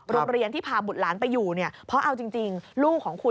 โรงเรียนที่พาบุตรร้านไปอยู่